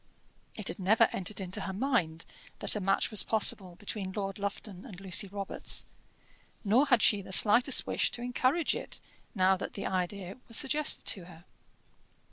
It had never entered into her mind that a match was possible between Lord Lufton and Lucy Robarts, nor had she the slightest wish to encourage it now that the idea was suggested to her.